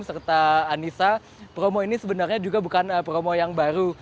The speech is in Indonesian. serta anissa promo ini sebenarnya juga bukan promo yang baru